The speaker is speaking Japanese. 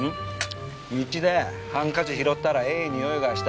道でハンカチ拾ったらええにおいがした。